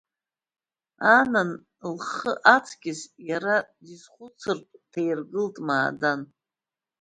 Анан лхы аҵкьыс иара дизхәыцртә дҭаиргылеит Маадан.